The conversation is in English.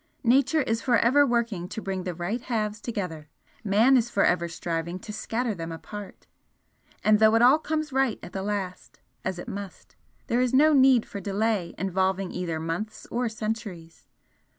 Nature is for ever working to bring the right halves together, man is for ever striving to scatter them apart and though it all comes right at the last, as it must, there is no need for delay involving either months or centuries.